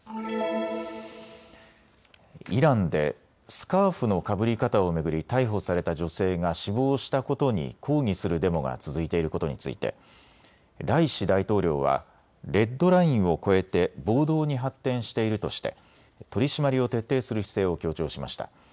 イランでスカーフのかぶり方を巡り逮捕された女性が死亡したことに抗議するデモが続いていることについて、ライシ大統領はレッドラインを越えて暴動に発展しているとして取締りを徹底する姿勢を強調しました。